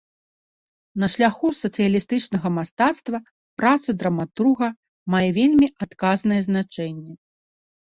На шляху сацыялістычнага мастацтва праца драматурга мае вельмі адказнае значэнне.